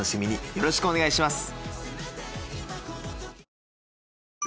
よろしくお願いします。